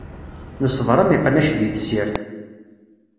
Neṣber am iqnac di tessirt.